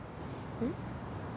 うん？